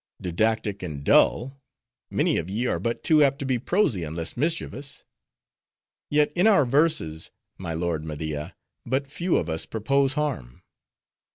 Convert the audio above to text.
"Didactic and dull; many of ye are but too apt to be prosy unless mischievous." "Yet in our verses, my lord Media, but few of us purpose harm."